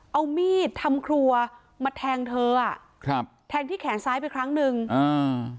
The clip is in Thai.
เอามีดทำครัวมาแทงเธออ่ะครับแทงที่แขนซ้ายไปครั้งหนึ่งอ่า